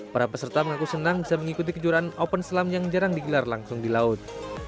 para peserta mengaku senang bisa mengikuti kejuaraan open selam yang jarang digelar langsung di laut